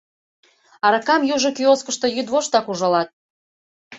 Аракам южо киоскышто йӱдвоштак ужалат.